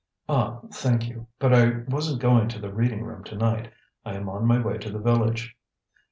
"Ah, thank you. But I wasn't going to the Reading room to night. I am on my way to the village."